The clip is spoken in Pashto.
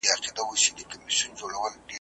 په بار بار مي در ږغ کړي ته مي نه سې اورېدلای ,